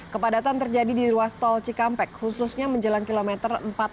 kepadatan terjadi di ruas tol cikampek khususnya menjelang kilometer empat puluh